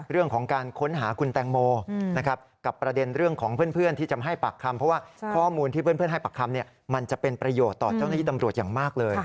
เรื่องของการค้นหาคุณแตงโมนะครับกับประเด็นเรื่องของเพื่อนที่จะมาให้ปากคำเพราะว่าข้อมูลที่เพื่อนให้ปากคำมันจะเป็นประโยชน์ต่อเจ้าหน้าที่ตำรวจอย่างมากเลย